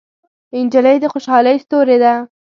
نجلۍ د خوشحالۍ ستورې ده.